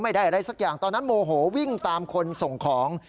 อะไรสักอย่างตอนนั้นโมโหวิ่งตามคนส่งของ